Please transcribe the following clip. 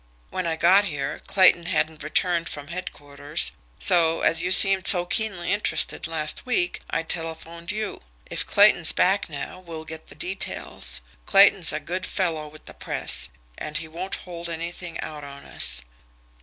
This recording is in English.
When I got here, Clayton hadn't returned from headquarters, so, as you seemed so keenly interested last week, I telephoned you. If Clayton's back now we'll get the details. Clayton's a good fellow with the 'press,' and he won't hold anything out on us.